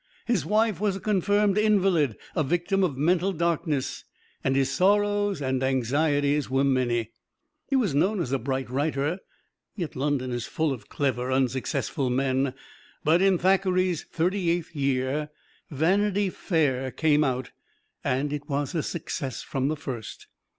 His wife was a confirmed invalid, a victim of mental darkness, and his sorrows and anxieties were many. He was known as a bright writer, yet London is full of clever, unsuccessful men. But in Thackeray's thirty eighth year "Vanity Fair" came out, and it was a success from the first.